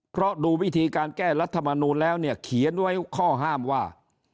เพราะดูวิธีการแก้รัฐมนูลแล้วเนี่ยเขียนไว้ข้อห้ามว่า